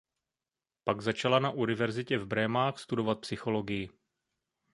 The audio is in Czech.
Pak začala na univerzitě v Brémách studovat psychologii.